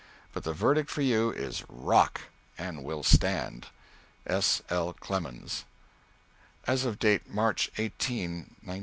But the verdict for you is rock, and will stand. S. L. CLEMENS. As of date March 18, 1906....